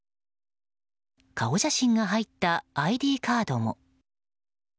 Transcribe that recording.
顔写真が入ったＩＤカードも。